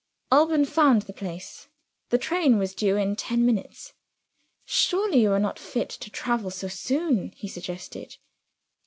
Alban found the place. The train was due in ten minutes. "Surely you are not fit to travel so soon?" he suggested.